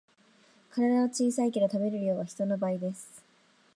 体は小さいけど食べる量は人の倍です